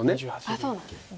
あっそうなんですね。